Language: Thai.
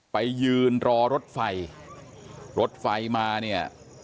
ไปยืนรอรถไฟรถไฟมาเนี่ย